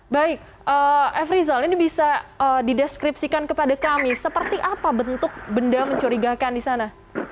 baik f rizal ini bisa dideskripsikan kepada kami seperti apa bentuk benda mencurigakan di sana